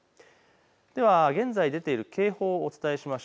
では現在出ている警報をお伝えします。